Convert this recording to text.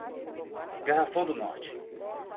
Garrafão do Norte